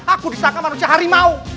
aku disangka manusia harimau